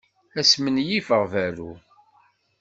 Ad smenyifeɣ berru.